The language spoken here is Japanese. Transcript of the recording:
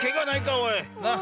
おい。